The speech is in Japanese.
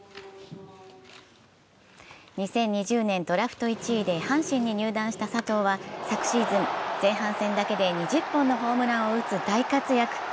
ドラフト１位で阪神に入団した佐藤は昨シーズン、前半戦だけで２０本のホームランを打つ大活躍。